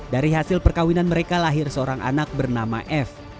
dari hasil perkawinan mereka lahir seorang anak bernama f